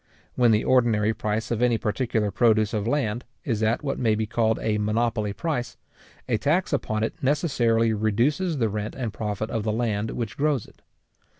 When the ordinary price of any particular produce of land is at what may be called a monopoly price, a tax upon it necessarily reduces the rent and profit of the land which grows it.